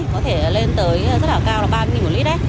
có thể lên tới rất là cao là ba một lít